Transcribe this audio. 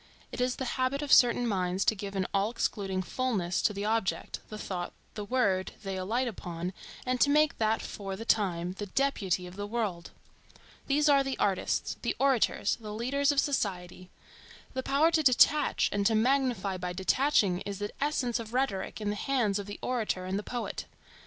It is the habit of certain minds to give an all excluding fulness to the object, the thought, the word, they alight upon, and to make that for the time the deputy of the world. These are the artists, the orators, the leaders of society. The power to detach and to magnify by detaching is the essence of rhetoric in the hands of the orator and the poet.